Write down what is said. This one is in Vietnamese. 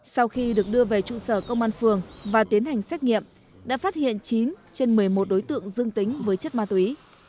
sau khi được đưa về trụ sở công an phường và tiến hành xét nghiệm đã phát hiện chín trên một mươi một đối tượng dương tính với chất ma túy